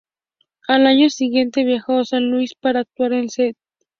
Al año siguiente, viajó a San Luis para actuar en el St.